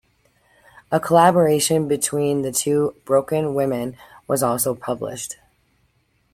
A collaboration between the two, "Broken Women", was also published.